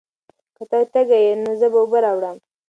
که ته تږی یې، نو زه به اوبه راوړم.